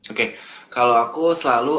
oke kalau aku selalu